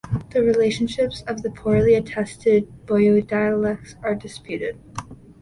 The relationships of the poorly attested Buyeo dialects are disputed.